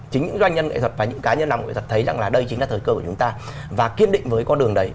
của chúng ta và kiên định với con đường đấy